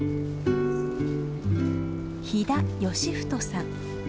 飛田義太さん。